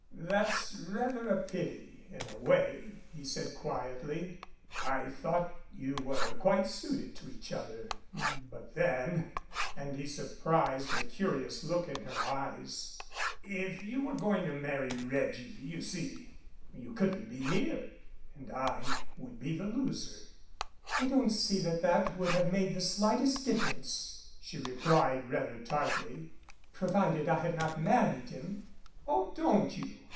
"That's rather a pity in a way," he said quietly. "I thought you were quite suited to each other. But then " and / he surprised a curious look in her eyes " if you were going to marry Reggie, you see, you couldn't be here and I would be the loser." "I don't see that that would have made the slightest (difference," she replied rather tartly, "provided I had not married him." "Oh, don't you?"